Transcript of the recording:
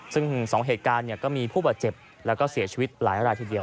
ซึ่ง๒เหตุการณ์ก็มีผู้บาดเจ็บแล้วก็เสียชีวิตหลายรายทีเดียว